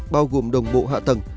bao gồm đồng bộ hạ tầng